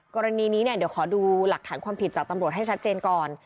กรณีนี้เนี่ยเดี๋ยวขอดูหลักฐานความผิดจากตำรวจให้ชัดเจนก่อน